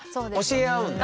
教え合うんだ。